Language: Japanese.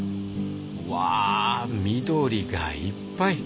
うわ緑がいっぱい。